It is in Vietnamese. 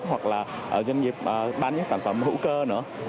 hoặc là doanh nghiệp bán những sản phẩm hữu cơ nữa